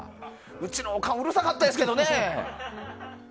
うちのおかんうるさかったですけどね。